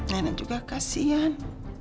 nenek juga kasihan